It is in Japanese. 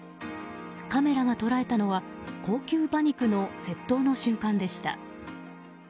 カメラが捉えたのは高級馬肉の窃盗の瞬間でした。